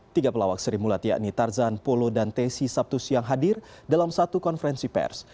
tiga pelawak seri mulat yakni tarzan polo dan tesi sabtu siang hadir dalam satu konferensi pers